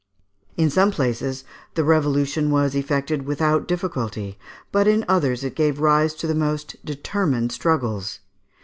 In some places, the revolution was effected without difficulty, but in others it gave rise to the most determined struggles.